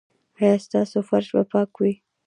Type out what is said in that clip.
ایا ستاسو فرش به پاک وي؟